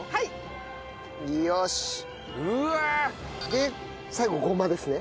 で最後ごまですね。